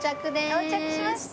到着しました！